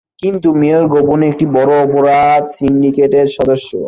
কিন্তু, মেয়র গোপনে একটা বড় অপরাধ সিন্ডিকেটের সদস্য।